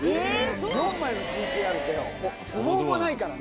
４枚のＧＴーＲって、ほぼほぼないからね。